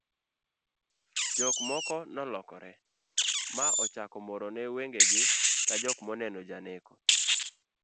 jok moko nolokore ma ochako morone wangegi ka jok moneno janeko